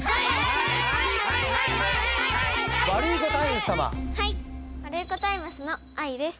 ワルイコタイムスのあいです。